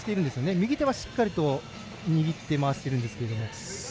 右手はしっかりと握って回してるんですけれども。